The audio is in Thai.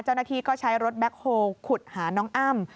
เจ้าหน้าที่ก็ใช้รถแบ็คโฮลขุดหาน้องอ้ำ